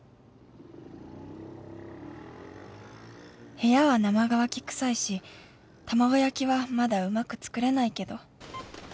［部屋は生乾き臭いし卵焼きはまだうまく作れないけど］